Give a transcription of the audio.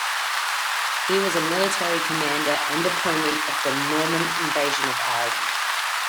He was a military commander and opponent of the Norman invasion of Ireland.